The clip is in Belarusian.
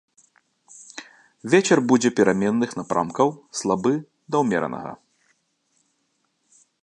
Вецер будзе пераменных напрамкаў слабы да ўмеранага.